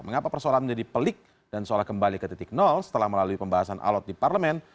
mengapa persoalan menjadi pelik dan seolah kembali ke titik nol setelah melalui pembahasan alat di parlemen